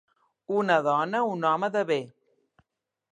Una dona, un home de bé.